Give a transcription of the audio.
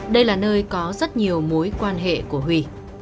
đây là nơi có rất nhiều mối quan hệ của huy